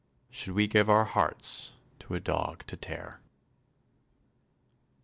Should we give our hearts to a dog to tear?